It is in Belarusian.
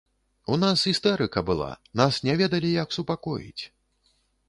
У нас істэрыка была, нас не ведалі, як супакоіць.